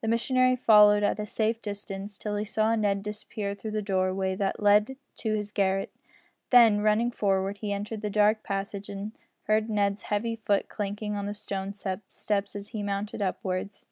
The missionary followed at a safe distance till he saw Ned disappear through the doorway that led to his garret. Then, running forward, he entered the dark passage and heard Ned's heavy foot clanking on the stone steps as he mounted upwards.